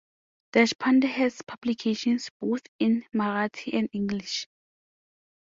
Deshpande has publications both in Marathi and English.